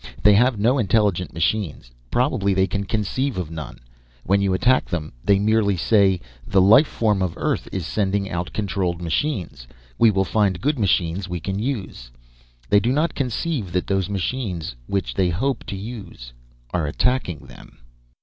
They have no intelligent machines; probably they can conceive of none. When you attack them, they merely say 'The life form of Earth is sending out controlled machines. We will find good machines we can use.' They do not conceive that those machines which they hope to use are attacking them.